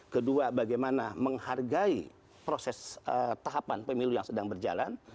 kedua bagaimana menghargai proses tahapan pemilu yang sedang berjalan